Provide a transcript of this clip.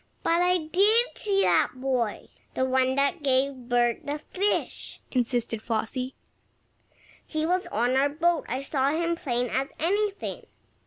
"But I did see that boy the one that gave Bert the fish," insisted Flossie. "He was on our boat. I saw him as plain as anything."